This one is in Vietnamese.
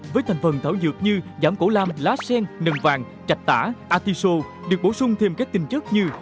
với thành phần thảo dược như giảm cổ lam lá sen nần vàng trạch tả artiso được bổ sung thêm các tinh chất như